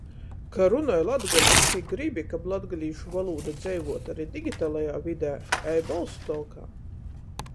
Ka runoj latgaliski i gribi, kab latgalīšu volūda dzeivuotu ari digitalajā vidē, ej Bolsutolkā!